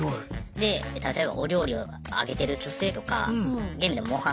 で例えばお料理を上げてる女性とかゲームで「モンハン」